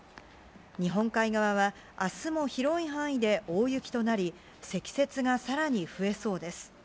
日本海側はあすも広い範囲で大雪となり、積雪がさらに増えそうです。